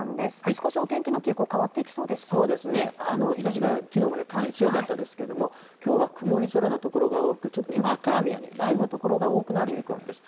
少しお天気の傾向、そうですね、日ざしがきのうまでかなり強かったですけれども、きょうは曇り空の所が多く、ちょっとにわか雨や雷雨の所が多くなる見込みです。